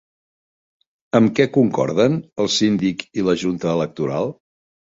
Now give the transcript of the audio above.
Amb què concorden el síndic i la Junta Electoral?